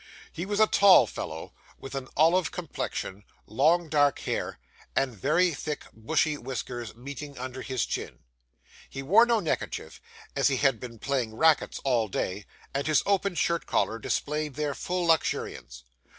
He was a tall fellow, with an olive complexion, long dark hair, and very thick bushy whiskers meeting under his chin. He wore no neckerchief, as he had been playing rackets all day, and his open shirt collar displayed their full luxuriance.